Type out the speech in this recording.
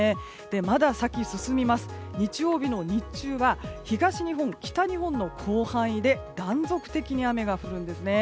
まだ先、進みまして日曜日の日中は東日本、北日本の広範囲で断続的に雨が降るんですね。